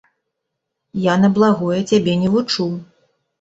Я на благое цябе не вучу.